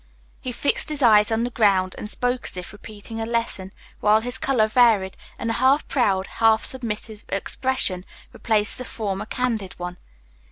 He fixed his eyes on the ground and spoke as if repeating a lesson, while his color varied, and a half proud, half submissive expression replaced the former candid one.